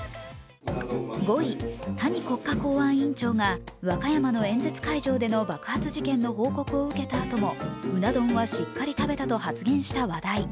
５位、谷国家公安委員長が和歌山の演説会場での爆発事件の報告を受けたあとも、うな丼はしっかり食べたと発言した話題。